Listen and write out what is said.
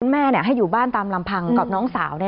แม่ให้อยู่บ้านตามลำพังกับน้องสาว